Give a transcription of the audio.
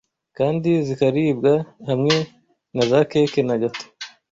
kandi zikaribwa hamwe na za keke na gato